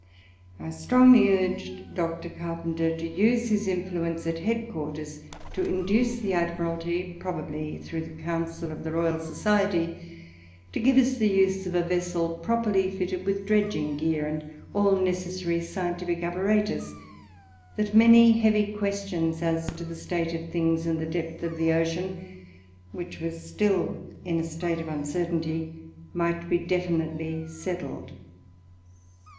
I strongly urged Dr. Carpenter to use his influence at head quarters to induce the Admiralty, probably through the Council of the Royal Society, to give us the use of a vessel properly fitted with dredging gear and all necessary scientific apparatus, that many heavy questions as to the state of things in the depths of the ocean, which were still in a state of uncertainty, might be definitely settled.